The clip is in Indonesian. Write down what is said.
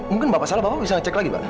mungkin bapak salah bapak bisa cek lagi pak